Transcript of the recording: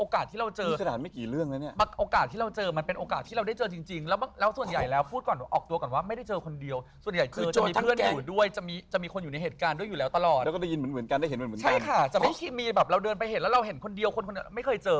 แบบเราเดินไปเห็นแล้วเราเห็นคนเดียวคนไม่เคยเจอ